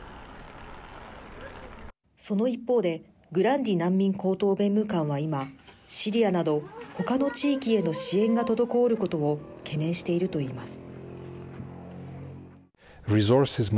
その一方でグランディ難民高等弁務官は今シリアなどほかの地域への支援が滞ることを懸念しているといいます。